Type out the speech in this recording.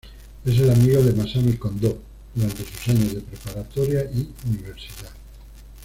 Es el amigo de Masami Kondō durante sus años de preparatoria y universidad.